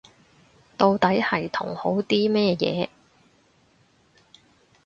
到底係同好啲乜嘢